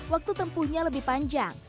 waktu tempuhnya lebih panjang